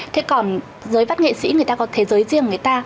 thế còn giới văn nghệ sĩ người ta có thế giới riêng người ta